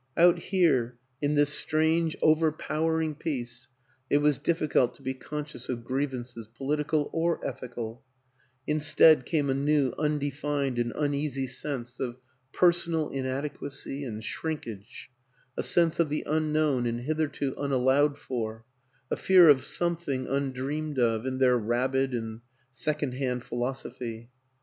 Out here, in this 44 WILLIAM AN ENGLISHMAN strange overpowering peace, it was difficult to be conscious of grievances political or ethical; in stead came a new, undefined and uneasy sense of personal inadequacy and shrinkage, a sense of the unknown and hitherto unallowed for, a fear of something undreamed of in their rabid and sec ond hand philosophy.